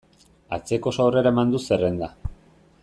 Atzekoz aurrera eman du zerrenda.